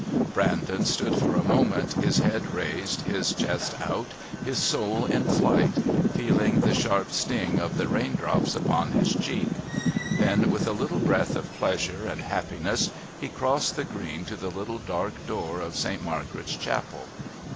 Brandon stood for a moment, his head raised, his chest out, his soul in flight, feeling the sharp sting of the raindrops upon his cheek; then, with a little breath of pleasure and happiness, he crossed the Green to the little dark door of Saint Margaret's Chapel.